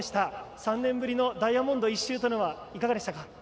３年ぶりのダイヤモンド１周はいかがでしたか？